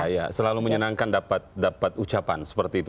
ya selalu menyenangkan dapat ucapan seperti itu